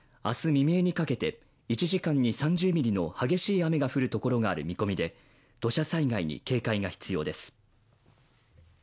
未明にかけて１時間に３０ミリの激しい雨が降るところがある見込みで土砂災害に警戒が必要です。